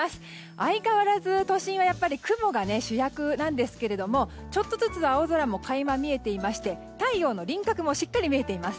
相変わらず、都心はやっぱり雲が主役なんですがちょっとずつ青空も垣間見えていまして太陽の輪郭もしっかり見えています。